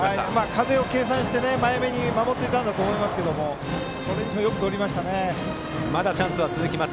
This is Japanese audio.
風を計算して前めに守っていたと思いますがまだチャンスは続きます。